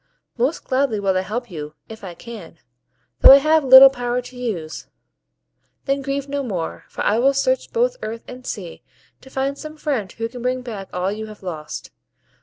"Most gladly will I help you if I can, though I have little power to use; then grieve no more, for I will search both earth and sea, to find some friend who can bring back all you have lost.